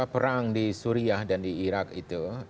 perang di suriah dan di irak itu